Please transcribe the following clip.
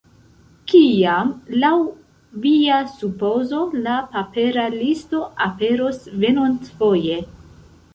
Kiam laŭ via supozo la papera listo aperos venontfoje?